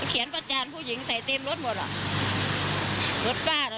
ประจานผู้หญิงใส่เต็มรถหมดอ่ะรถป้าน่ะ